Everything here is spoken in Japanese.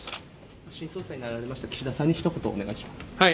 新総裁になられました岸田さんに一言お願いします。